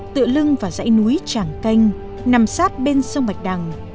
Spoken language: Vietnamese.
tựa lưng và dãy núi trảng canh nằm sát bên sông bạch đằng